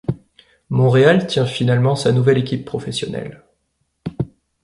Montréal tient finalement sa nouvelle équipe professionnelle.